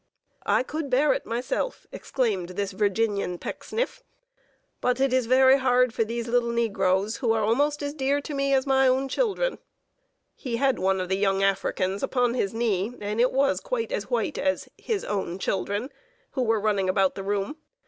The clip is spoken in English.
"I could bear it myself," exclaimed this Virginian Pecksniff, "but it is very hard for these little negroes, who are almost as dear to me as my own children." He had one of the young Africans upon his knee, and it was quite as white as "his own children," who were running about the room.